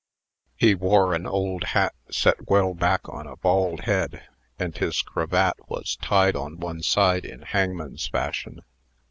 He wore an old hat set well back on a bald head, and his cravat was tied on one side in hangman's fashion.